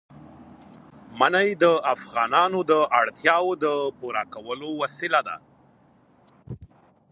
منی د افغانانو د اړتیاوو د پوره کولو وسیله ده.